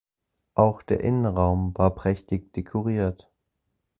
Auch der Innenraum war prächtig dekoriert.